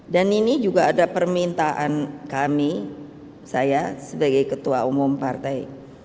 dan ini juga ada permintaan kami saya sebagai ketua umum partai